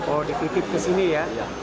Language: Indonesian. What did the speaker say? oh dikit kit ke sini ya